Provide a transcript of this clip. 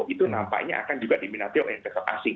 itu nampaknya akan juga diminati oleh investor asing